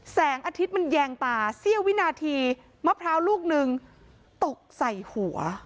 แสงอาทิตย์มันแยงตาเสี้ยววินาทีมะพร้าวลูกนึงตกใส่หัว